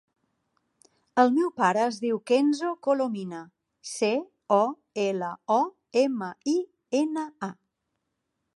El meu pare es diu Kenzo Colomina: ce, o, ela, o, ema, i, ena, a.